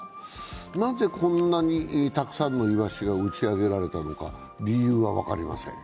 なぜこんなにたくさんのいわしが打ち上げられたのか理由は分かりません。